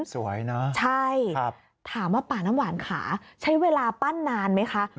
สวยนะใช่ถามว่าป่าน้ำหวานขาใช้เวลาปั้นนานไหมคะ